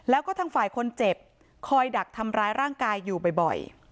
แล้วก็ทางฝ่ายคนเจ็บคอยดักทำร้ายร่างกายอยู่บ่อย